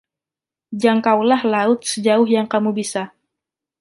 Jangkaulah laut sejauh yang kamu bisa.